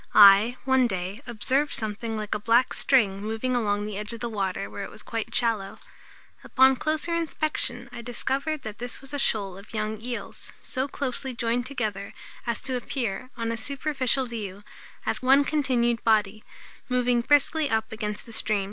I, one day, observed something like a black string moving along the edge of the water where it was quite shallow. Upon closer inspection, I discovered that this was a shoal of young eels, so closely joined together as to appear, on a superficial view, on continued body, moving briskly up against the stream.